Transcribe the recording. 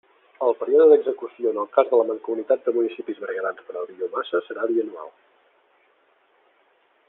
El període d'execució en el cas de la Mancomunitat de Municipis Berguedans per a la Biomassa, serà bianual.